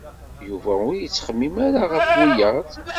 Yuba ur yettxemmim ara ɣef wiyaḍ.